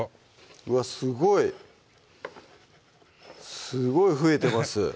すごいすごい増えてます